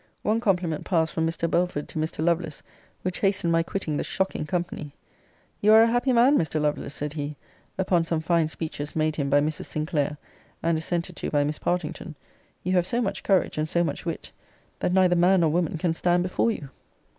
One compliment passed from Mr. Belford to Mr. Lovelace, which hastened my quitting the shocking company 'You are a happy man, Mr. Lovelace,' said he, upon some fine speeches made him by Mrs. Sinclair, and assented to by Miss Partington: 'You have so much courage, and so much wit, that neither man nor woman can stand before you.'